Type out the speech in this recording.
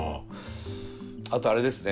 あとあれですね